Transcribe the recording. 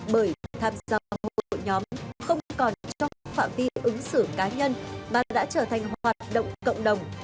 bởi tham gia hội nhóm không còn trong phạm vi ứng xử cá nhân mà đã trở thành hoạt động cộng đồng